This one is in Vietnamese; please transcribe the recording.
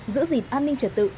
giữ gìn an ninh trật tự